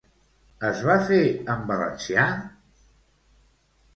Es va fer en valencià?